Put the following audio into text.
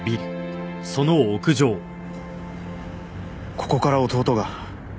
ここから弟が。